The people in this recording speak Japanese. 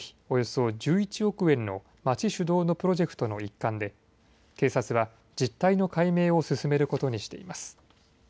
およそ１１億円の町主導のプロジェクトの一環で警察は実態の解明を進めることにしています。